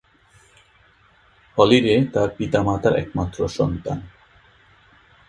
Holiday তার পিতামাতার একমাত্র সন্তান।